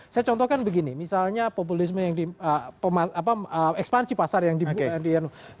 saya contohkan begini misalnya ekspansi pasar yang diadopsi